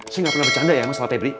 sih gak pernah bercanda ya sama pebri